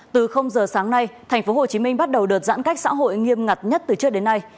từ giờ sáng nay thành phố hồ chí minh bắt đầu đợt giãn cách xã hội nghiêm ngặt nhất từ trước đến nay